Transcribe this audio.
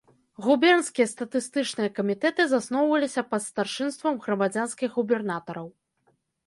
Губернскія статыстычныя камітэты засноўваліся пад старшынствам грамадзянскіх губернатараў.